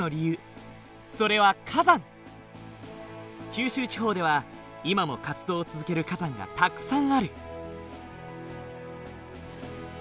九州地方では今も活動を続ける火山がたくさんある。